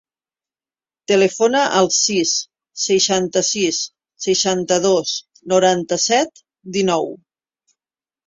Telefona al sis, seixanta-sis, seixanta-dos, noranta-set, dinou.